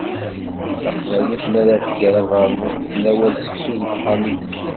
Taqbaylit mi ara tger abernus, tettnawal seksu deg uxxam-is.